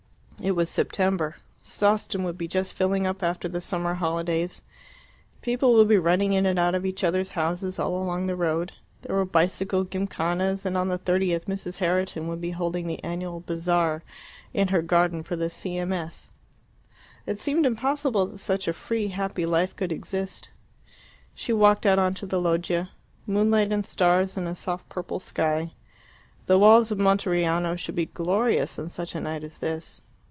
It was September. Sawston would be just filling up after the summer holidays. People would be running in and out of each other's houses all along the road. There were bicycle gymkhanas, and on the 30th Mrs. Herriton would be holding the annual bazaar in her garden for the C.M.S. It seemed impossible that such a free, happy life could exist. She walked out on to the loggia. Moonlight and stars in a soft purple sky. The walls of Monteriano should be glorious on such a night as this.